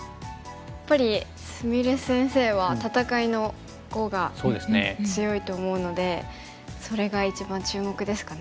やっぱり菫先生は戦いの碁が強いと思うのでそれが一番注目ですかね。